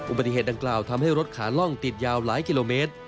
อุบัติเหตุดังกล่าวทำให้รถขาล่องติดยาวหลายกิโลเมตร